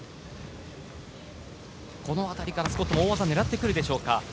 この辺りからもスコットも大技を狙ってくるでしょうか？